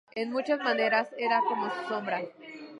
En muchas maneras, era "como su sombra.